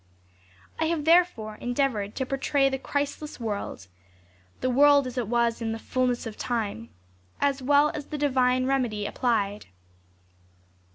I have therefore endeavored to portray the Christless world — the world as it was in the " fullness of time," as well as the divine remedy applied.